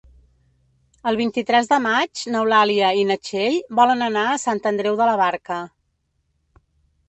El vint-i-tres de maig n'Eulàlia i na Txell volen anar a Sant Andreu de la Barca.